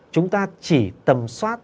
chúng ta chỉ tầm soát